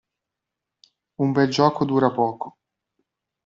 Un bel gioco dura poco.